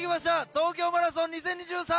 東京マラソン２０２３！